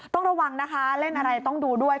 ต้องระวังนะคะเล่นอะไรต้องดูด้วย